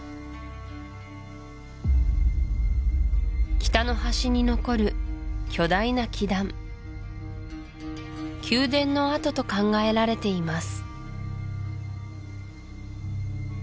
北の端に残る巨大な基壇宮殿の跡と考えられています